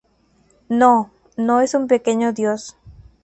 No, no es un pequeño dios.